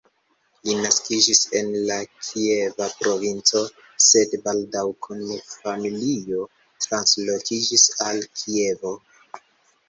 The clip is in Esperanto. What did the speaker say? Li naskiĝis en la Kieva provinco, sed baldaŭ kun familio translokiĝis al Kievo.